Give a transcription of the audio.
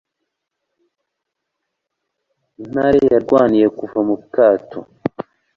intare yarwaniye kuva mu kato